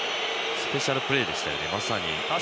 スペシャルプレーでしたね。